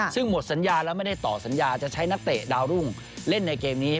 ซึ่งหมดสัญญาแล้วไม่ได้ต่อสัญญาจะใช้นักเตะดาวรุ่งเล่นในเกมนี้